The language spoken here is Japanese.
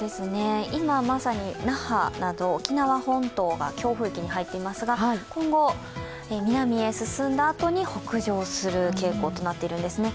今、まさに那覇など沖縄本島が強風域に入っていますが今後、南へ進んだあとに北上する傾向となっているんですね。